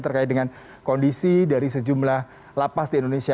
terkait dengan kondisi dari sejumlah lapas di indonesia